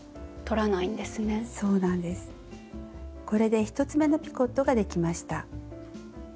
これで１つめのピコットができました。